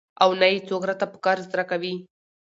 او نه يې څوک راته په قرض راکوي.